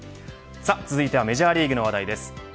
続いてはメジャーリーグの話題です。